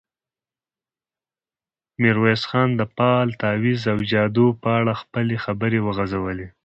ميرويس خان د فال، تاويذ او جادو په اړه خپلې خبرې وغځولې.